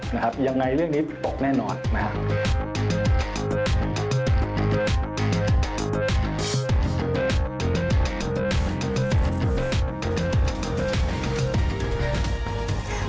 นะครับยังไงเรื่องนี้ตกแน่นอนนะครับ